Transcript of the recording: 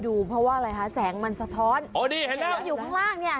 ดูเพราะว่าอะไรคะแสงมันสะท้อนอ๋อนี่เห็นไหมเราอยู่ข้างล่างเนี่ย